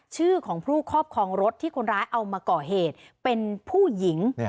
ชื่อของผู้ครอบครองรถที่คนร้ายเอามาก่อเหตุเป็นผู้หญิง